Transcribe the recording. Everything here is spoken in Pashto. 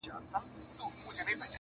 o کورنۍ پرېکړه کوي د شرم له پاره,